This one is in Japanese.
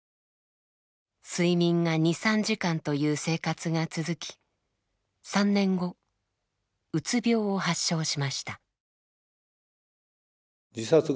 睡眠が２３時間という生活が続き３年後うつ病を発症しました。